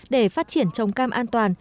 để phát triển trồng cam an toàn